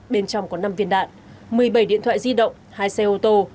bên trong có năm viên đạn một mươi bảy điện thoại di động hai xe ô tô